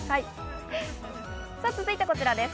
続いて、こちらです。